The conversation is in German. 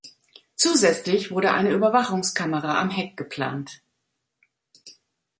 Zusätzlich wurde eine Überwachungskamera am Heck geplant.